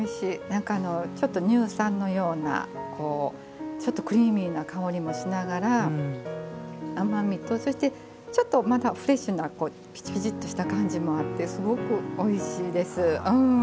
中のちょっと乳酸のようなちょっとクリーミーな香りもしながら甘みとそしてちょっとまだフレッシュなピチピチッとした感じもあってすごくおいしいです。